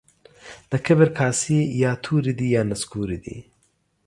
د کبر کاسې يا توري دي يا نسکوري دي.